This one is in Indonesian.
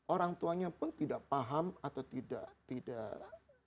orang tuanya pun tidak paham atau tidak